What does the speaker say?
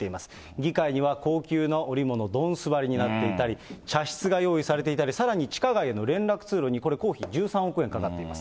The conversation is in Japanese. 議会には高級な織物、どんす張りになっていたり、茶室が用意されていたり、さらに地下街への連絡通路にこれ、工費１３億円かかっています。